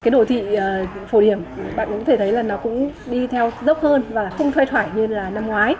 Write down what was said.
đồ thị phổ điểm bạn cũng có thể thấy là nó cũng đi theo dốc hơn và không thoai thoải như là năm ngoái